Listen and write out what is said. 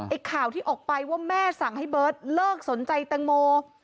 ข่าวที่ออกไปว่าแม่สั่งให้เบิร์ตเลิกสนใจแตงโม